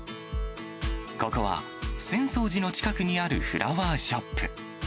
ここは浅草寺の近くにあるフラワーショップ。